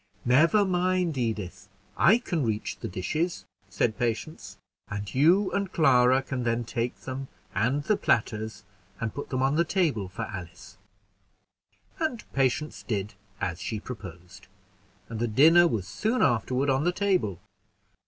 "Never mind, Edith, I can reach the dishes," said Patience, "and you and Clara can then take them, and the platters, and put them on the table for Alice." And Patience did as she proposed, and the dinner was soon afterward on the table.